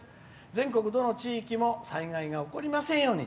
全国、どの地域も災害が起こりませんように」。